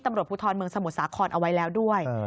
ตำรวจภูทรเมืองสมุทรสาครเอาไว้แล้วด้วย